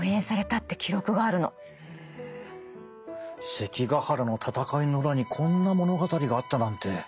関ヶ原の戦いの裏にこんな物語があったなんて。